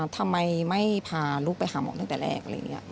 ทำไมไม่พาลูกไปหาหมอจนแต่แรก